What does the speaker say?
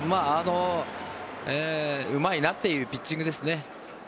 うまいなっていうピッチングですね。